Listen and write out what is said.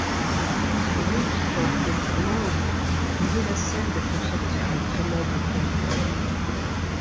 Thiriot, qui entre autres louanges lui donna celle d’être sorti d’une très noble famille.